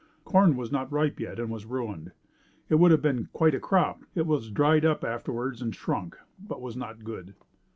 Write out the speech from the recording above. Corn was not ripe yet and was ruined. It would have been quite a crop. It was dried up afterwards and shrunk, but was not good.